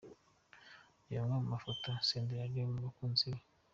Reba amwe mu mafoto Senderi ari mu bakunzi be.